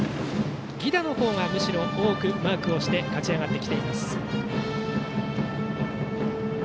犠打のほうがむしろ多くマークをして勝ち上がってきています。